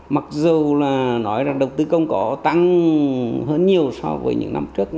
mặc dù là nói rằng đầu tư công có tăng hơn nhiều so với những năm trước